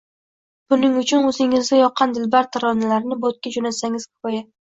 Buning uchun oʻzingizga yoqqan dilbar taronalarni Botga joʻnatsangiz kifoya.